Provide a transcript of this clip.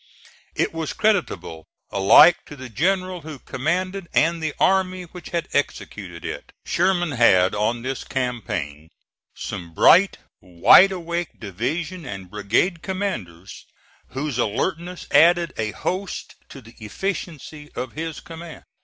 It was creditable alike to the general who commanded and the army which had executed it. Sherman had on this campaign some bright, wide awake division and brigade commanders whose alertness added a host to the efficiency of his command.